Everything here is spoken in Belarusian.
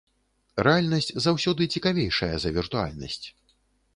Рэальнасць заўсёды цікавейшая за віртуальнасць.